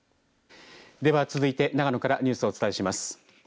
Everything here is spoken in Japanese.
では続いて長野からニュースをお伝えします。